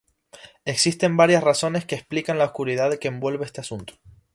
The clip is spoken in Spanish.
Existen varias razones que explican la oscuridad que envuelve a este asunto.